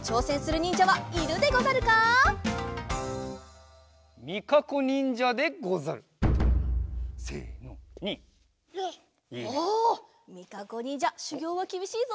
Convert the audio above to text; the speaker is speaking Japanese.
ニン！おみかこにんじゃしゅぎょうはきびしいぞ。